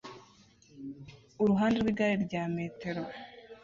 Uruhande rw'igare rya metero